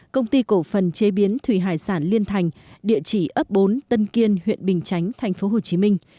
công ty cổ phần chế biến thủy hải sản liên thành địa chỉ ấp bốn tân kiên huyện bình chánh thành phố hồ chí minh